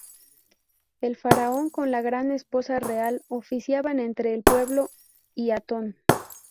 El faraón con la gran esposa real oficiaban entre el pueblo y Atón.